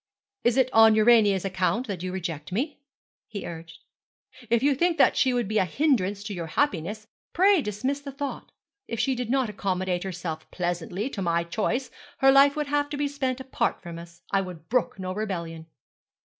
Is it on Urania's account that you reject me?' he urged. 'If you think that she would be a hindrance to your happiness, pray dismiss the thought. If she did not accommodate herself pleasantly to my choice her life would have to be spent apart from us. I would brook no rebellion.'